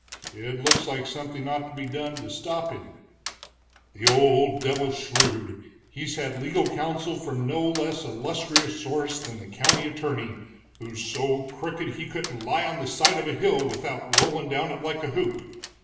"It looks like something ought to be done to stop him." "The old devil's shrewd, he's had legal counsel from no less illustrious source than the county attorney, who's so crooked he couldn't lie on the side of a hill without rollin' down it like a hoop.